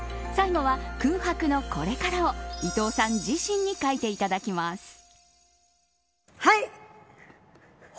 最後は空白のこれからを伊藤さん自身に書いていただきます。